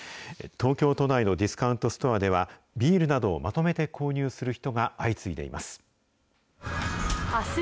東京都内のディスカウントストアでは、ビールなどをまとめて購入する人が相次いでいます。